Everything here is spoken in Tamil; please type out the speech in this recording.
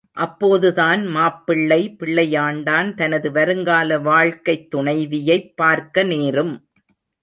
அப்போதுதான் மாப்பிள்ளை பிள்ளையாண்டான் தனது வருங்கால வாழ்க்கைத் துணைவியைப் பார்க்க நேரும்.